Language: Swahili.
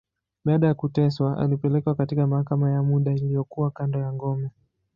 Baada ya kuteswa, alipelekwa katika mahakama ya muda, iliyokuwa kando ya ngome.